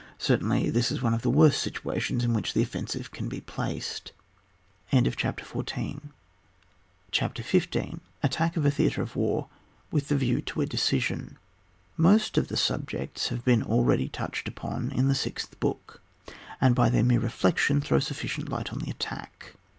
Certainly this is one of the worst situations in which the offensive can be placed. CHAPTER XV. ATTACK OF A THEATRE OF WAR WITH THE 7IEW TO A DECISION. Most of the subjects have been already touched upon in the sixth book, and by their mere reflection, throw sufficient light on the attack.